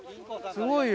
すごいよ。